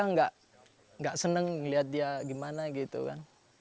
saya gak seneng ngeliat dia gimana gitu kan